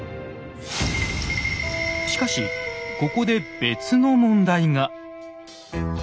しかしここで別の問題が。